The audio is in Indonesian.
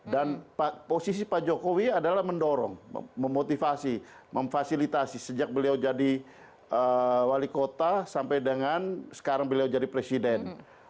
dan posisi pak jokowi adalah mendorong memotivasi memfasilitasi sejak beliau jadi wali kota sampai dengan sekarang beliau jadi presiden